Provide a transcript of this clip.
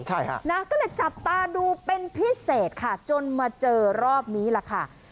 ใช่ค่ะนะก็เลยจับตาดูเป็นพิเศษค่ะจนมาเจอรอบนี้ล่ะค่ะ